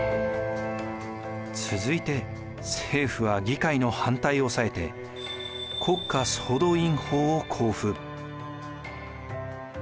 続いて政府は議会の反対を抑えて国家総動員法を公布。